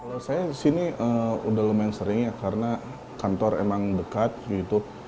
kalau saya di sini udah lumayan sering ya karena kantor emang dekat gitu